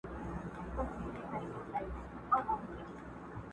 هغه بې ږغه او بې شوره ونه.!